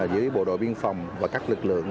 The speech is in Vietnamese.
giữa bộ đội biên phòng và các lực lượng